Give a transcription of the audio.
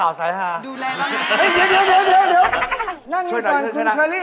อ่าวเรียกก่อนนี้